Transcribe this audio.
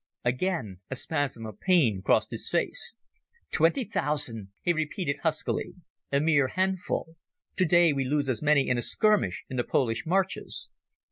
Again a spasm of pain crossed his face. "Twenty thousand," he repeated huskily. "A mere handful. Today we lose as many in a skirmish in the Polish marshes."